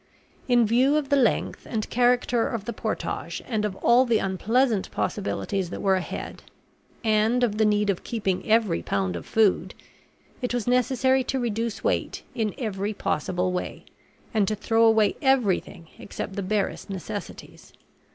In view of the length and character of the portage, and of all the unpleasant possibilities that were ahead, and of the need of keeping every pound of food, it was necessary to reduce weight in every possible way and to throw away everything except the barest necessities.